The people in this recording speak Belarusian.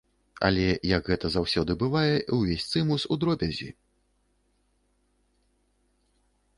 Але, як гэта заўсёды бывае, увесь цымус у дробязі.